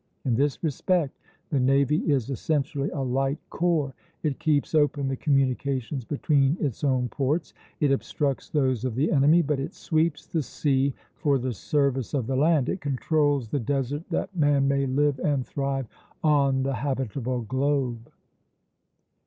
In this respect the navy is essentially a light corps; it keeps open the communications between its own ports, it obstructs those of the enemy; but it sweeps the sea for the service of the land, it controls the desert that man may live and thrive on the habitable globe.